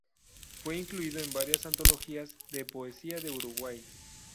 Fue incluido en varias antologías de poesías de Uruguay.